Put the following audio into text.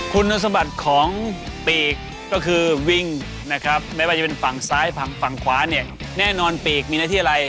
คุณสมบัติของปีกก็คือวิ่งนะครับไม่ว่าจะเป็นฝั่งซ้ายฝั่งขวาเนี่ยแน่นอนปีกมีหน้าที่อะไร